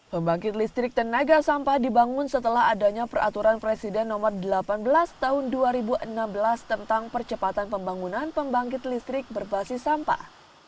pembangkit listrik tenaga sampah dibangun setelah adanya peraturan presiden nomor delapan belas tahun dua ribu enam belas tentang percepatan pembangunan pembangkit listrik berbasis sampah